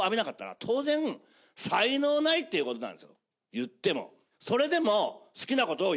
言っても。